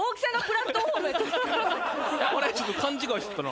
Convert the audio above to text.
これちょっと勘違いしてたな。